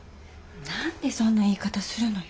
何でそんな言い方するのよ。